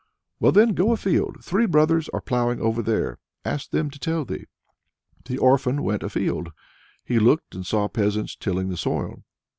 "Well then, go afield. Three brothers are ploughing over there. Ask them to tell thee." The orphan went afield. He looked, and saw peasants tilling the soil.